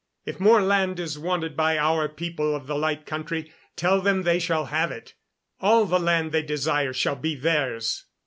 If more land is wanted by our people of the Light Country, tell them they shall have it. All the land they desire shall be theirs.